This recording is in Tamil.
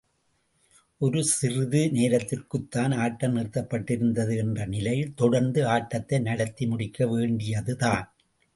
ஒரு சிறிது நேரத்திற்குத்தான் ஆட்டம் நிறுத்தப் பட்டிருந்தது என்ற நிலையில், தொடர்ந்து ஆட்டத்தை நடத்தி முடிக்க வேண்டியதுதான்.